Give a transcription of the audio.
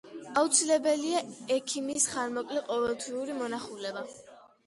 აუცილებელია ექიმის ხანმოკლე, ყოველთვიური მონახულება.